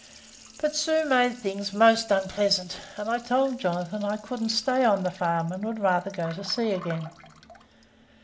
"But Sue made things most unpleasant, and I told Jonathan I couldn't stay on the farm, and would rather go to sea again.